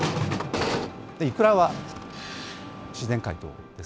イクラは、自然解凍です。